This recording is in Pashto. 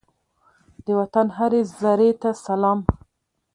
د وطن هرې زرې ته سلام!